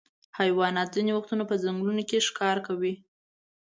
حیوانات ځینې وختونه په ځنګلونو کې ښکار کوي.